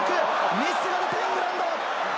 ミスが出た、イングランド。